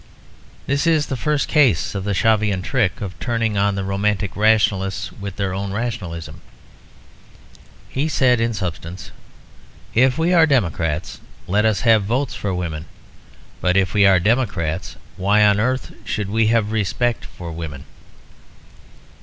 This is the first case of the Shavian trick of turning on the romantic rationalists with their own rationalism. He said in substance, "If we are democrats, let us have votes for women; but if we are democrats, why on earth should we have respect for women?"